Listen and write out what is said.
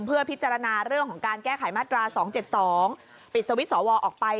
เพื่อพิจารณาเรื่องของการแก้ไขมาตรา๒๗๒ปิดสวิตช์สวออกไป